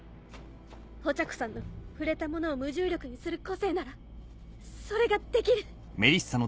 お茶子さんの触れたものを無重力にする個性ならそれができる！